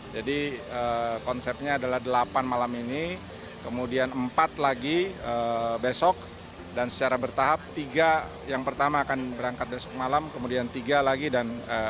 jadi konsepnya adalah delapan malam ini kemudian empat lagi besok dan secara bertahap tiga yang pertama akan berangkat besok malam kemudian tiga lagi dan enam